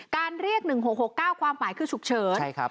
การเรียก๑๖๖๙ความหมายคือฉุกเฉิน